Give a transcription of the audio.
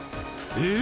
えっ！！